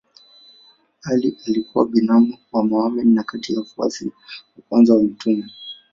Ali alikuwa binamu wa Mohammed na kati ya wafuasi wa kwanza wa mtume.